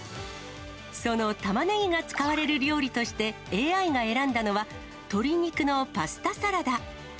そのたまねぎが使われる料理としてＡＩが選んだのは、鶏肉のパスタサラダ。